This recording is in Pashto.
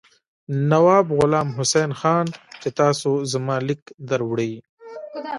نواب غلام حسین خان چې تاسو ته زما لیک دروړي.